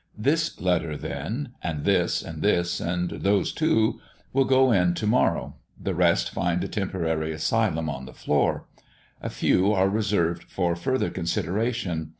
This letter, then, and this, and this, and those two, will go in to morrow; the rest find a temporary asylum on the floor. A few are reserved for further consideration.